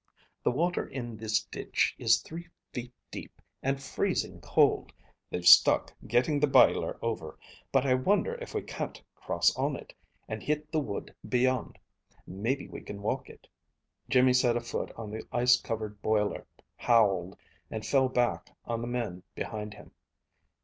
The water in this ditch is three feet deep and freezing cold. They've stuck getting the biler over, but I wonder if we can't cross on it, and hit the wood beyond. Maybe we can walk it." Jimmy set a foot on the ice covered boiler, howled, and fell back on the men behind him.